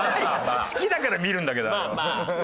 好きだから見るんだけどあれは。